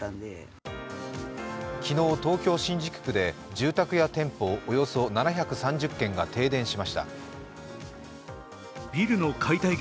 昨日東京・新宿区で住宅や店舗およそ７３０軒が停電しました。